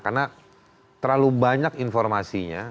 karena terlalu banyak informasinya